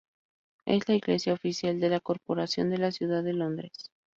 Es la iglesia oficial de la Corporación de la Ciudad de Londres.